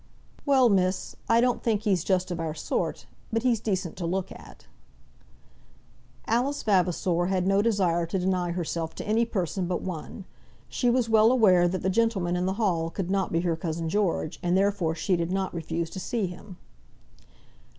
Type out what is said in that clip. "Well, miss, I don't think he's just of our sort; but he's decent to look at." Alice Vavasor had no desire to deny herself to any person but one. She was well aware that the gentleman in the hall could not be her cousin George, and therefore she did not refuse to see him.